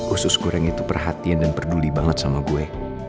usus goreng itu perhatian dan peduli banget sama gue